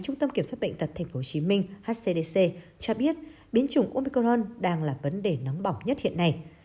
trung tâm kiểm soát bệnh tật tp hcm hcdc cho biết biến chủng omicon đang là vấn đề nóng bỏng nhất hiện nay